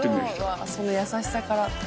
うわあその優しさから。